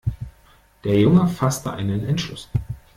Der Junge fasste einen Entschluss.